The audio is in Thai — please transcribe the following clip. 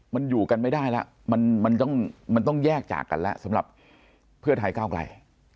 มันอยู่กันไม่ได้แล้วมันต้องมันต้องแยกจากกันแล้วสำหรับเพื่อไทยก้าวไกล